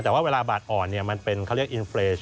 แต่ว่าเวลาบาทอ่อนเนี่ยมันเป็นเขาเรียก